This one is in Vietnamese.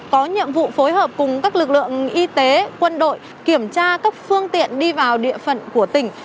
có nhiệm vụ phối hợp cùng các lực lượng y tế quân đội kiểm tra các phương tiện đi vào địa phận của tỉnh